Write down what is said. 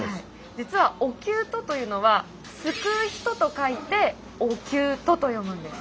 実はおきゅうとというのは救う人と書いてお救人と読むんです。